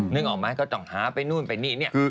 นึกออกไหมก็ต้องหาไปนู่นไปนี่เนี่ย